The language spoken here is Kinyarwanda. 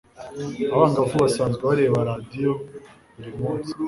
abangavu basanzwe bareba radiyo buri munsi